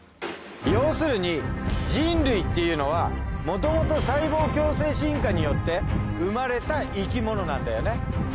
ようするに人類っていうのはもともと細胞共生進化によって生まれた生き物なんだよね。